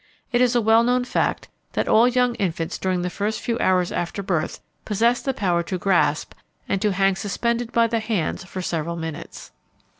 It is a well known fact that all young infants during the first few hours after birth possess the power to grasp and to hang suspended by the hands for several minutes.